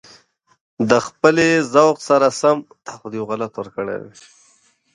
د خپلې ذوق سره سم د کلتور ساتل د هویت نښه ده.